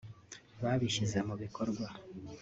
babishyize mu bikorwa